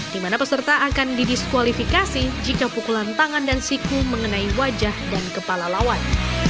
di mana peserta akan didiskualifikasi jika pukulan tangan dan siku mengenai wajah dan kepala lawan